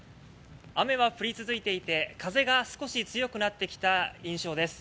雨は降り続いていて風が少し強くなってきた印象です。